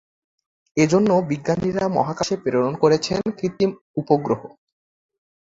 এজন্য বিজ্ঞানীরা মহাকাশে প্রেরন করেছেন কৃত্রিম উপগ্রহ।